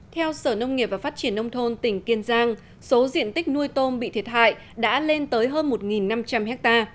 theo sở nông nghiệp và phát triển nông thôn tỉnh kiên giang số diện tích nuôi tôm bị thiệt hại đã lên tới hơn một năm trăm linh ha